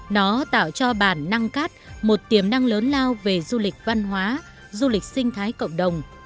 nó tạo cho bản năng cát một tiềm năng lớn lao về du lịch văn hóa du lịch sinh thái cộng đồng